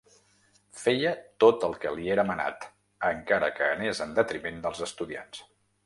Feia tot el que li era manat, encara que anés en detriment dels estudiants.